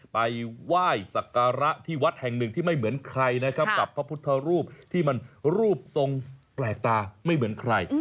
ไปไหว้สักการะที่วัดแห่งหนึ่งที่ไม่เหมือนใครนะครับกับพระพุทธรูปที่มันรูปทรงแปลกตาไม่เหมือนใคร